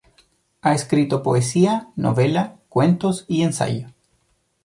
Ha escrito poesía, novela, cuentos y ensayo.